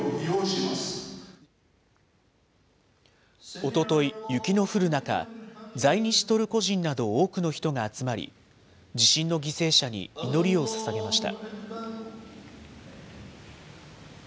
おととい、雪の降る中、在日トルコ人など多くの人が集まり、地震の犠牲者に祈りをささげました。